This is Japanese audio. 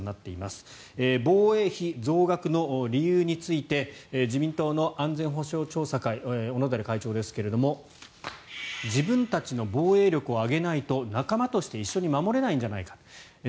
防衛費増額の理由について自民党の安全保障調査会小野寺会長ですが自分たちの防衛力を上げないと仲間として一緒に守れないんじゃないか